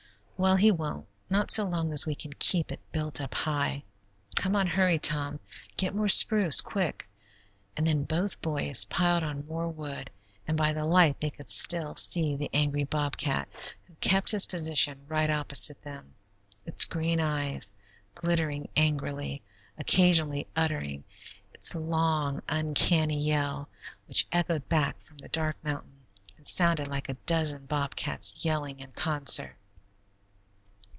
"Well, he won't, not so long as we can keep it built up high. Come on; hurry, Tom. Get more spruce, quick," and then both boys piled on more wood, and by the light they could still see the angry bobcat, who kept his position right opposite them, its green eyes glittering angrily, occasionally uttering its long, uncanny yell, which echoed back from the dark mountain and sounded like a dozen bobcats yelling in concert.